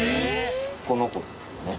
この子ですよね。